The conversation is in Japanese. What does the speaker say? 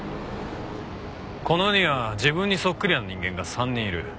この世には自分にそっくりな人間が３人いる。